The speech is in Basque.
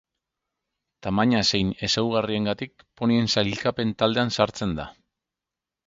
Tamaina zein ezaugarriengatik ponien sailkapen taldean sartzen da.